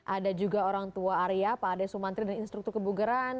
ada juga orang tua arya pak ade sumantri dan instruktur kebugaran